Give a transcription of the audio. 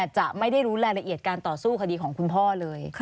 จะไม่ได้รู้รายละเอียดการต่อสู้คดีของคุณพ่อเลย